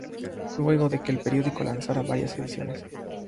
Luego de que el periódico lanzara varias ediciones.